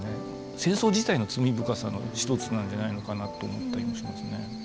戦争自体の罪深さの一つなんじゃないのかなと思ったりもしますね。